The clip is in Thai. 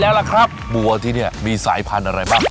แล้วล่ะครับบัวที่นี่มีสายพันธุ์อะไรบ้าง